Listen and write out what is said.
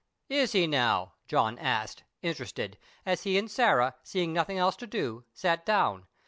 "Is he, now?" John asked, interested, as he and Sarah, seeing nothing else to do, sat down.